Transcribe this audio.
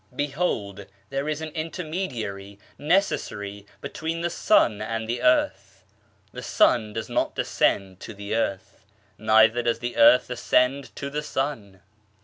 Behold, there is an intermediary necessary between the sun and the earth ; the sun does not descend to the earth, neither does the earth ascend to the sun.